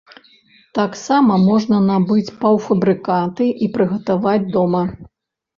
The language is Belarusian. Таксама можна набыць паўфабрыкаты і прыгатаваць дома.